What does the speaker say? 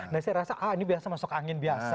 nah saya rasa ah ini biasa masuk angin biasa